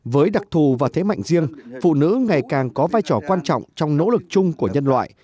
với đặc thù và thế mạnh riêng phụ nữ ngày càng có vai trò quan trọng trong nỗ lực chung của nhân loại